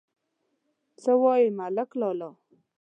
_څه وايي ملک لالا!